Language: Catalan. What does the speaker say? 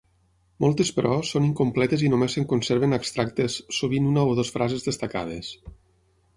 Moltes, però, són incompletes i només se'n conserven extractes, sovint una o dues frases destacades.